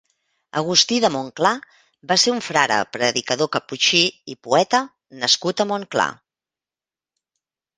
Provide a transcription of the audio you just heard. Agustí de Montclar va ser un frare predicador caputxí i poeta nascut a Montclar.